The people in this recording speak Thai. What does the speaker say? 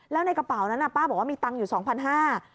แล้วในกระเป๋านั้นป้าบอกว่ามีตังค์อยู่๒๕๐๐บาท